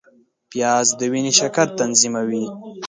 پیاز د وینې شکر تنظیموي